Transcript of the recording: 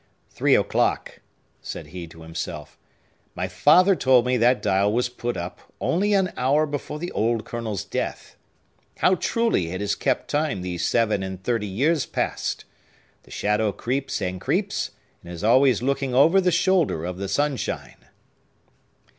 "Three o'clock!" said he to himself. "My father told me that dial was put up only an hour before the old Colonel's death. How truly it has kept time these seven and thirty years past! The shadow creeps and creeps, and is always looking over the shoulder of the sunshine!"